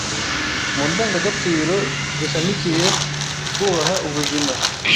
Mu ndangagaciro zishamikiye ku kubaha ubuzima